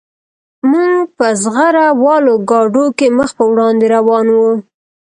موږ په زغره والو ګاډو کې مخ په وړاندې روان وو